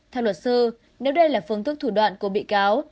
theo luật sư nếu đây là phương thức thủ đoạn của bị cáo